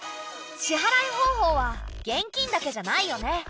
支払い方法は現金だけじゃないよね。